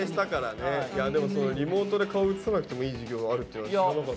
でもリモートで顔映さなくてもいい授業があるっていうのは知らなかった。